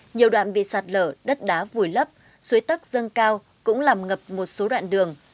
nhiều đoạn bị sạt lở đất đá vùi lấp suối tấc dâng cao cũng làm ngập một số đoạn đường